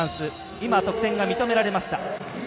今、得点が認められました。